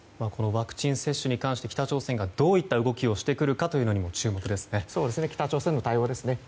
ワクチン接種に関して北朝鮮がどういった動きをしてくるかにも北朝鮮の対応ですね。